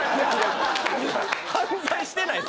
犯罪してないです。